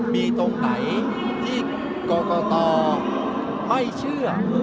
มีตรงไหนที่กรกตไม่เชื่อ